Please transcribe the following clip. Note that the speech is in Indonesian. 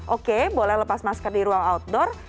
oke boleh lepas masker di ruang outdoor